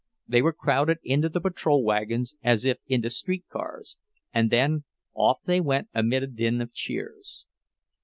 They were crowded into the patrol wagons as if into streetcars, and then off they went amid a din of cheers.